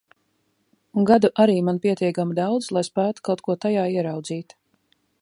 Un gadu arī man pietiekami daudz, lai spētu kaut ko tajā ieraudzīt.